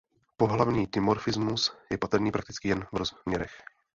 Pohlavní dimorfismus je patrný prakticky jen v rozměrech.